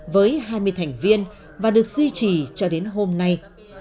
với hai mươi thành viên và được duy trì cho đến hôm nay